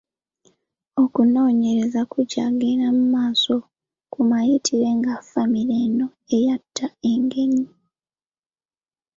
Okunoonyereza ku kyagenda mu maaso, kumayitire ga famire eno eyatta Engenyi.